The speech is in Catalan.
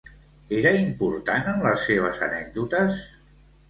Era important en les seves anècdotes?